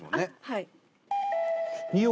はい。